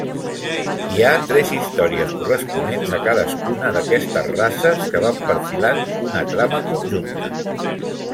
Hi ha tres històries corresponents a cadascuna d'aquestes races que van perfilant una trama conjunta.